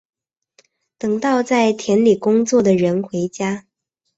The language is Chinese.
等到在田里工作的人回家